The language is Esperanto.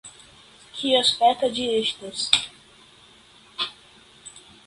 Kiaspeca ĝi estas?